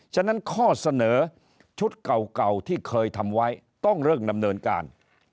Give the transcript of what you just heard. ฉะนั้นข้อเสนอชุดเก่าที่เคยทำไว้ต้องเร่งดำเนินการ